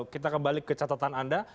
kita kembali ke catatan anda